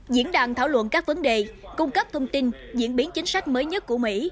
diễn đàn thảo luận các vấn đề cung cấp thông tin diễn biến chính sách mới nhất của mỹ